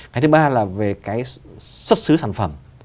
cái thứ ba là về cái xuất xứ sản phẩm